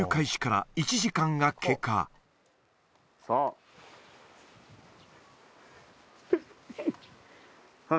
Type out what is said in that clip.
そう。